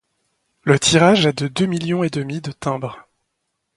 Le tirage est de deux millions et demi de timbres.